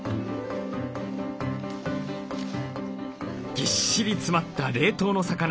ぎっしり詰まった冷凍の魚。